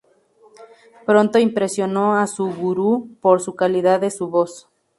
Pronto impresionó a su gurú por su calidad de su voz.